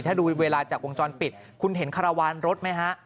ถ้าดูเวลาจากวงจรปิดคุณเห็นคาราวานรถไหมฮะ